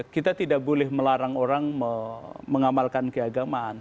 kita tidak boleh melarang orang mengamalkan keagamaan